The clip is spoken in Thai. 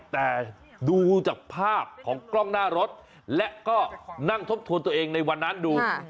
แต่ดูจากภาพของกล้องหน้ารถและก็นั่งทบทวนตัวเองในวันนั้นดู